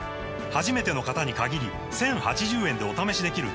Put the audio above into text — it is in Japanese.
初めての方に限り１０８０円でお試しできるチャンスです